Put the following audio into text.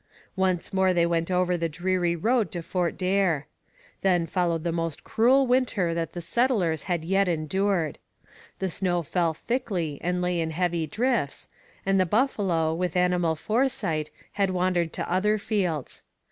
Once more they went over the dreary road to Fort Daer. Then followed the most cruel winter that the settlers had yet endured. The snow fell thickly and lay in heavy drifts, and the buffalo with animal foresight had wandered to other fields.